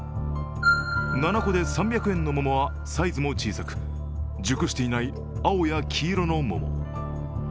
７個で３００円のものはサイズも小さく、熟していない青や黄色の桃。